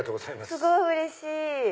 すごいうれしい！